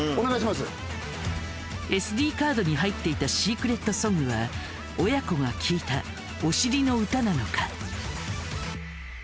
ＳＤカードに入っていたシークレットソングは親子が聴いたお尻の歌なのか？